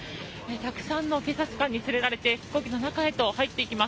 たくさんの警察官に連れられて飛行機の中へと入っていきます。